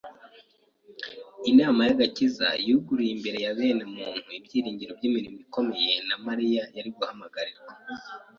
Inama y'agakiza yuguruye imbere ya bene muntu ibyiringiro by'imirimo ikomeye na Mariya yari guhamagarirwa